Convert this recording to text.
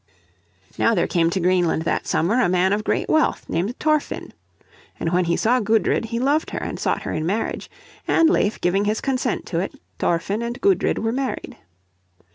Now there came to Greenland that summer a man of great wealth named Thorfinn. And when he saw Gudrid he loved her and sought her in marriage, and Leif giving his consent to it, Thorfinn and Gudrid were married.